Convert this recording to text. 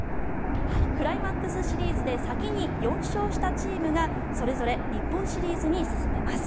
クライマックスシリーズで先に４勝したチームがそれぞれ日本シリーズに進めます。